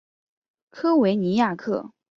科维尼亚克。